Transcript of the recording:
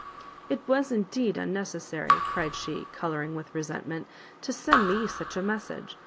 "It was indeed unnecessary," cried she, colouring with resentment, "to send me such a message.